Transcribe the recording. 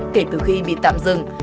kể từ khi bị tạm dừng